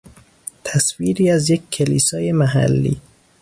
تصویری از یک کلیسای محلی